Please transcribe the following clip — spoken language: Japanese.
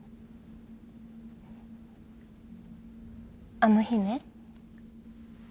あの日ね。